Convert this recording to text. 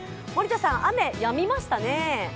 雨、やみましたね。